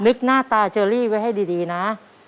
หน้าตาเชอรี่ไว้ให้ดีนะ